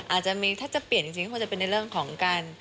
อาจจะมีถ้าจะเปลี่ยนจริงก็คงจะเป็นในเรื่องของการ